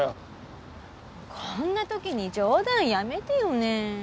こんな時に冗談やめてよね。